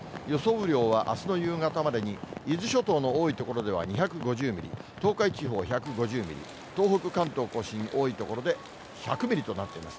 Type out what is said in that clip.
雨量はあすの夕方までに伊豆諸島の多い所では２５０ミリ、東海地方１５０ミリ、東北、関東甲信、多い所で１００ミリとなっています。